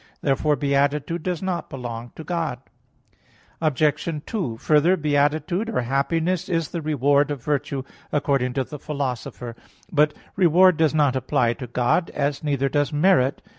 Therefore beatitude does not belong to God. Obj. 2: Further, beatitude or happiness is the reward of virtue, according to the Philosopher (Ethic. i, 9). But reward does not apply to God; as neither does merit.